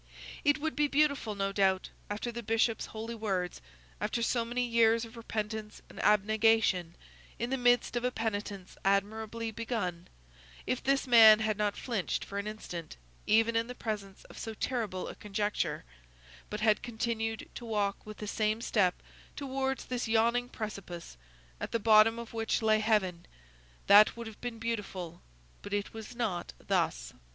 It would be beautiful, no doubt, after the Bishop's holy words, after so many years of repentance and abnegation, in the midst of a penitence admirably begun, if this man had not flinched for an instant, even in the presence of so terrible a conjecture, but had continued to walk with the same step towards this yawning precipice, at the bottom of which lay heaven; that would have been beautiful; but it was not thus.